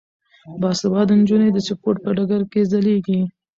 باسواده نجونې د سپورت په ډګر کې ځلیږي.